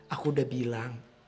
aku udah bilang